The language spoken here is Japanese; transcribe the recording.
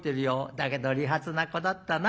だけど利発な子だったな。